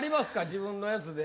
自分のやつで。